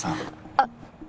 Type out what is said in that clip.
あっ。